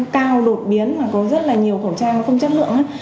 cao đột biến mà có rất là nhiều khẩu trang nó không chất lượng